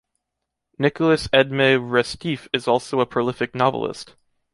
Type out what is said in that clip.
Nicolas-Edme Restif is also a prolific novelist.